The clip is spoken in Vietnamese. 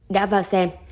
đã vào xem